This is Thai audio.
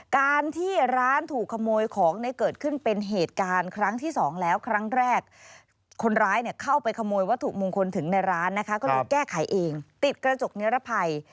การที่ร้านถูกขโมยของเนี่ยเกิดขึ้นเป็นเหตุการณ์ครั้งที่สองแล้วครั้งแรกคนร้ายเนี่ยเข้าไปขโมยวัตถุมงคลถึงในร้านนะคะก็เลยแก้ไขเองติดกระจกนิรภัย